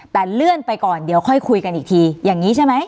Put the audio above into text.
แต่เลื่อนไปก่อนเดี๋ยวค่อยคุยกันอีกทีอย่างนี้ใช่ไหม